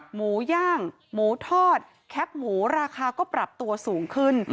หมูย่างหมูทอดแคปหมูราคาก็ปรับตัวสูงขึ้น